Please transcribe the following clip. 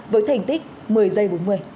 với thành tích một mươi giây bốn mươi